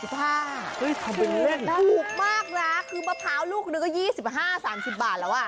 ถ้าเป็นทะเล๔๕บาทถูกมากนะคือมะพร้าวลูกหนึ่งก็๒๕๓๐บาทแล้ว